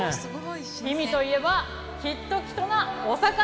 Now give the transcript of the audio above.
氷見といえば「きときと」なお魚！